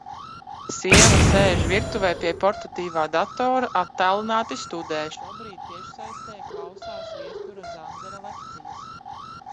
Sieva sēž virtuvē pie portatīvā datora, attālināti studē. Šobrīd tiešsaistē klausās Viestura Zandera lekcijas.